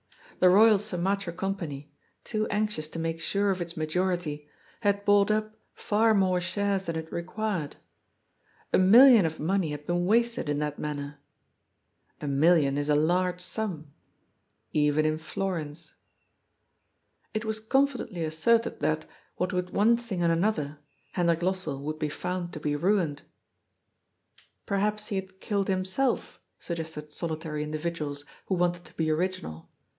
The Royal Sumatra Com pany, too anxious to make sure of its majority, had bought up far more shares than it required. A million of money had been wasted in that manner. A million is a large sum —even in florins. It was confidently asserted that, what with one thing and another, Hendrik Lossell would be found to be ruined. Perhaps he had killed himself ? suggested solitary individ uals, who wanted to be original.